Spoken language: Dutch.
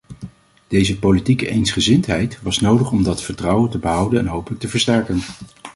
Deze politieke eensgezindheid was nodig om dat vertrouwen te behouden en hopelijk te versterken.